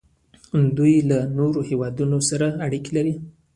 دوی له نورو هیوادونو سره اړیکې لري.